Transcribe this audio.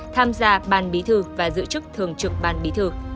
tham gia ban bí thư và dự trức thường trực ban bí thư